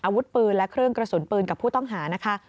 อาวุธปืนและเครื่องกระสุนปืนกับผู้ต้องหานะคะ